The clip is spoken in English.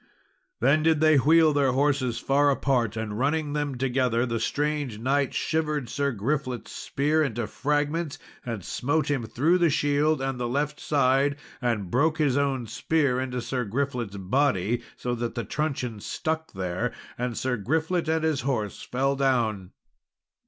Then did they wheel their horses far apart, and running them together, the strange knight shivered Sir Griflet's spear to fragments, and smote him through the shield and the left side, and broke his own spear into Sir Griflet's body, so that the truncheon stuck there, and Sir Griflet and his horse fell down.